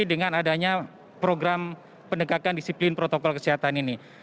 dengan adanya program penegakan disiplin protokol kesehatan ini